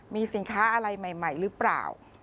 มีสินค้าอะไรใหม่หรือเปล่า